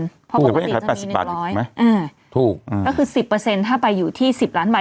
ถูกถูกก็คือสิบเปอร์เซ็นต์ถ้าไปอยู่ที่สิบล้านใบ